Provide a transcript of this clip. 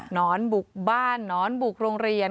นอนบุกบ้านหนอนบุกโรงเรียน